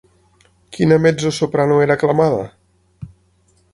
Quina mezzosoprano era aclamada?